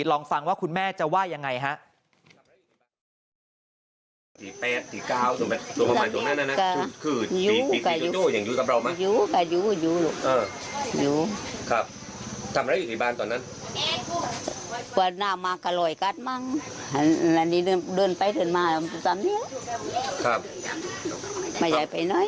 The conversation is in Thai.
ลองฟังว่าคุณแม่จะว่ายังไงฮะ